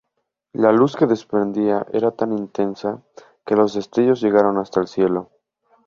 La luz que desprendía era tan intensa, que los destellos llegaron hasta el cielo.